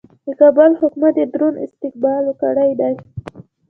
د کابل حکومت یې دروند استقبال کړی دی.